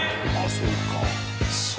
「そうか」